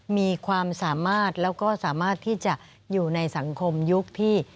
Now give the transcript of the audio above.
มีความสามารถแล้วก็สามารถที่จะอยู่ในสังคมยุคที่